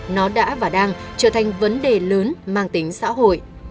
nó đã và đang trở thành vấn đề lớn mang tính xã hội